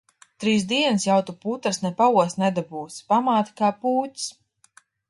Trīs dienas jau tu putras ne paost nedabūsi. Pamāte kā pūķis.